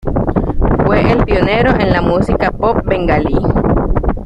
Fue el pionero en la música pop Bengalí.